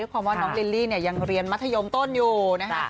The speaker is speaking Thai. พอว่าน้องลิลลี่ยังเรียนมัธยมต้นอยู่